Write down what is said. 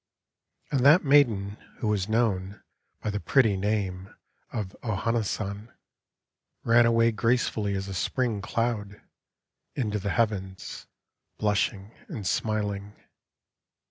And that maiden who was known By the pretty name of O Hana San, Ran away gracefully as a Spring cloud Into the heavens, blushing and smiling